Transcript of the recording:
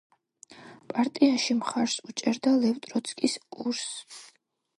პარტიაში მხარს უჭერდა ლევ ტროცკის კურსს.